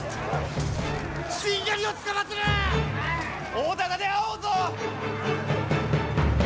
大高で会おうぞ！